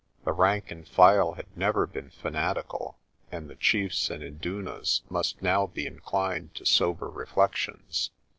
The rank and file had never been fanatical and the chiefs and indunas must now be inclined to sober reflections.